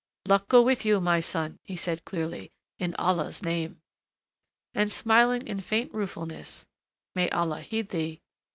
"Luck go with you, my son," he said clearly, "in Allah's name," and smiling in faint ruefulness, "May Allah heed thee!"